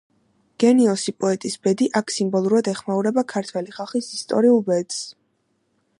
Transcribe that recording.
გენიოსი პოეტის ბედი აქ სიმბოლურად ეხმაურება ქართველი ხალხის ისტორიულ ბედს.